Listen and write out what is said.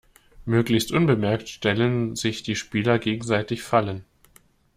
Möglichst unbemerkt stellen sich die Spieler gegenseitig Fallen.